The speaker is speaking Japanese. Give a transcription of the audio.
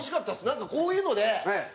なんかこういうので。